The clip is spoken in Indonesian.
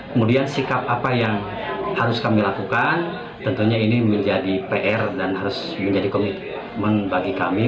kemudian sikap apa yang harus kami lakukan tentunya ini menjadi pr dan harus menjadi komitmen bagi kami